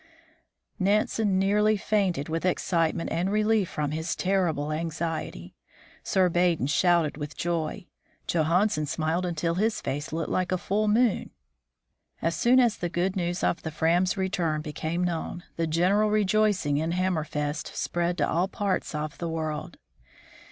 Nansen nearly fainted with excitement and relief from his terrible anxiety. Sir Baden shouted with joy. Johan sen smiled until his face looked like a full moon. As soon as the good news of the Pram's return became known, the general rejoicing in Hammerfest spread to all parts of the world.